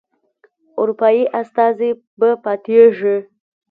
اروپایي استازی به پاتیږي.